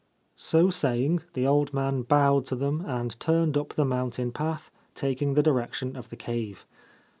So saying, the old man bowed to them, and turned up the mountain path, taking the direction of the cave.